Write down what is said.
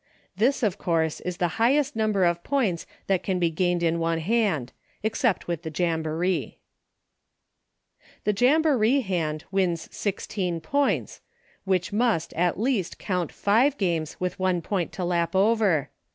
This, of course, is the highest number of points that can be gained in one hand — ex cept with the Jamboree. 76 EUCHRE. The Jamboree hand wins sixteen points, which must, at least, count five games with one point to lap over.